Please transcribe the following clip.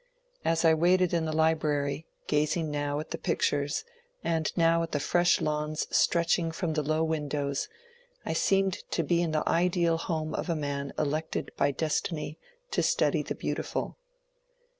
As I waited in the library, gazing now at the pictures, and now at the fresh lawns stretching from the low windows, I seemed to be in the ideal home of a man elected by destiny to study the beautiful.